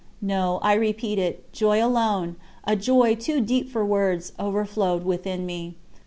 No, I repeat it joy alone, a joy too deep for words, overflowed within me.